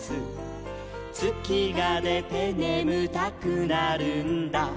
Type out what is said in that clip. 「つきがでてねむたくなるんだ」